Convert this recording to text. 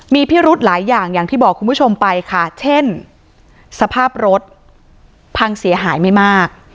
มีพิรุธหลายอย่างอย่างที่บอกคุณผู้ชมไปค่ะเช่นสภาพรถพังเสียหายไม่มาก